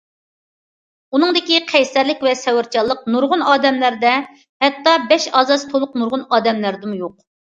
ئۇنىڭدىكى قەيسەرلىك ۋە سەۋرچانلىق نۇرغۇن ئادەملەردە ھەتتا بەش ئەزاسى تولۇق نۇرغۇن ئادەملەردىمۇ يوق!